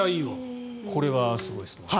これはすごいですね。